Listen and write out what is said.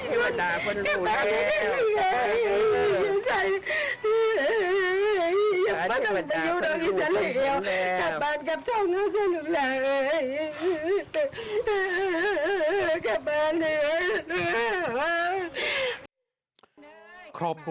เพิ่งมาขอมภพขอมภพเป็นอย่างรอบ